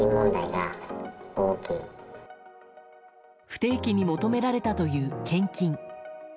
不定期に求められたという献金。